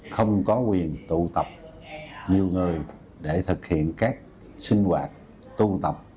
không có quyền tụ tập nhiều người để thực hiện các sinh hoạt tôn tập